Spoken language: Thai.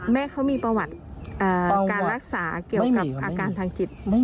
แม่เขามีประวัติการรักษาเกี่ยวกับอาการทางจิต